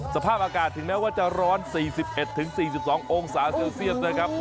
สภาพอากาศถึงแม้ว่าจะร้อน๔๑๔๒องศาเซลเซียสนะครับ